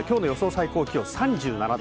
最高気温３７度。